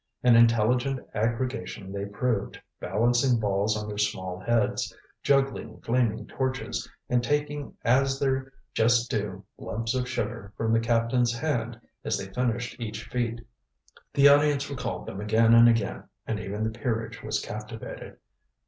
An intelligent aggregation they proved, balancing balls on their small heads, juggling flaming torches, and taking as their just due lumps of sugar from the captain's hand as they finished each feat. The audience recalled them again and again, and even the peerage was captivated.